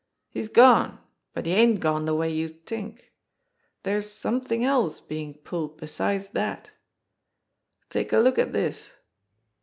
He's gone but he ain't gone de way youse t'ink. Dere's somethin' else bein' pulled besides dat. Take a look at dis